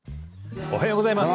おはようございます。